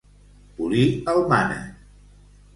Polir el mànec.